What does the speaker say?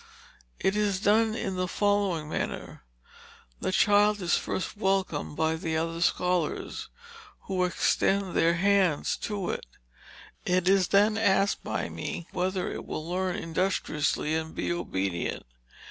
"It is done in the following manner. The child is first welcomed by the other scholars, who extend their hands to it. It is then asked by me whether it will learn industriously and be obedient.